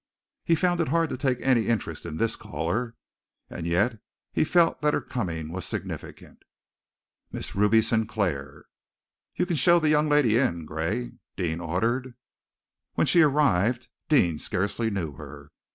He found it hard to take any interest in this caller, and yet he felt that her coming was significant. Miss Ruby Sinclair. "You can show the young lady in, Gray," Deane ordered. When she arrived, Deane scarcely knew her.